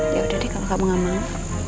ya udah deh kalau kamu gak mau